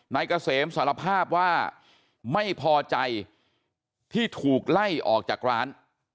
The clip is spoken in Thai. เกษมสารภาพว่าไม่พอใจที่ถูกไล่ออกจากร้าน